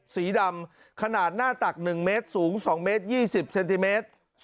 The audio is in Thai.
สีดำขนาดหน้าตัก๑เมตรสูง๒เมตร๒๐เซนติเมตร